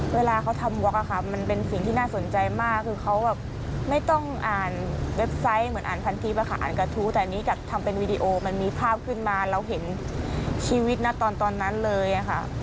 เวลาเขาทำว็กมันเป็นสิ่งที่น่าสนใจมากคือเขาแบบไม่ต้องอ่านเว็บไซต์เหมือนอ่านพันทิพย์อ่านกระทู้แต่อันนี้กับทำเป็นวีดีโอมันมีภาพขึ้นมาเราเห็นชีวิตนะตอนนั้นเลยค่ะ